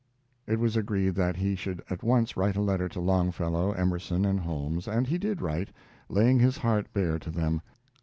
It was agreed that he should at once write a letter to Longfellow, Emerson, and Holmes, and he did write, laying his heart bare to them.